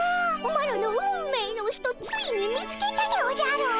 マロの運命の人ついに見つけたでおじゃる！